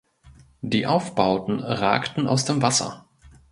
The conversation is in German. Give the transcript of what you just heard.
Die Aufbauten ragten aus dem Wasser.